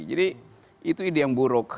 jadi itu ide yang buruk